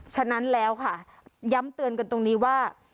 ฉะนั้นแล้วค่ะย้ำเตือนกันตรงนี้ว่า